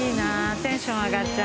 テンション上がっちゃう。